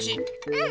うん！